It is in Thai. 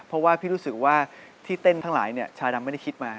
เพราะว่าพี่รู้สึกว่าที่เต้นทั้งหลายชาดำไม่ได้คิดมา